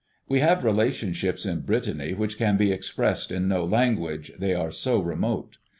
We have relationships in Brittany which can be expressed in no language, they are so remote.